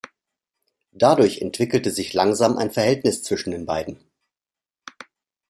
Dadurch entwickelte sich langsam ein Verhältnis zwischen den beiden.